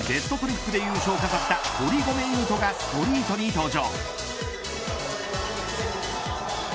昨日、一発技で競うベストトリックで優勝を飾った堀米雄斗がストリートに登場。